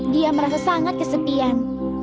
dia merasa sangat kesepian